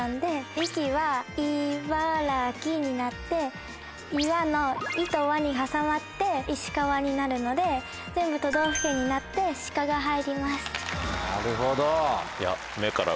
「息」は「いばらき」になって「岩」の「い」と「わ」に挟まって「いしかわ」になるので全部都道府県になって「しか」が入ります。